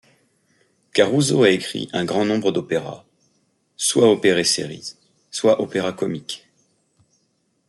Caruso a écrit un grand nombre d'opéras, soit opere serie soit opéras-comiques.